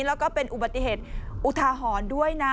แล้วก็เป็นอุบัติเหตุอุทาหรณ์ด้วยนะ